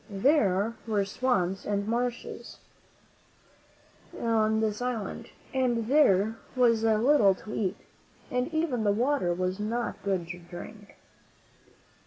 There were swamps and marshes on this island, and there was little to eat, and even the water was not good to drink.